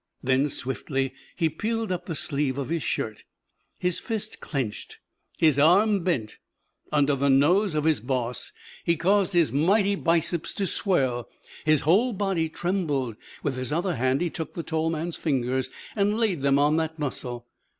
Then swiftly he peeled up the sleeve of his shirt. His fist clenched; his arm bent; under the nose of his boss he caused his mighty biceps to swell. His whole body trembled. With his other hand he took the tall man's fingers and laid them on that muscle.